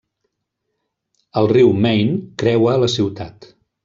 El riu Main creua la ciutat.